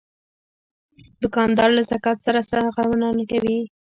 دوکاندار له زکات نه سرغړونه نه کوي.